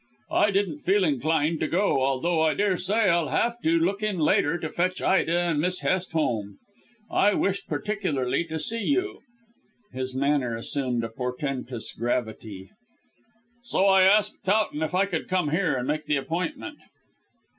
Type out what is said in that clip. I didn't feel inclined to go, although I daresay I'll have to look in later to fetch Ida and Miss Hest home. I wished particularly to see you." His manner assumed a portentous gravity. "So I asked Towton if I could come here and make the appointment."